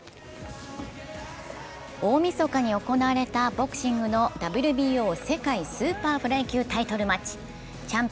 大みそかに行われたボクシングのＷＢＯ世界スーパーフライ級タイトルマッチ。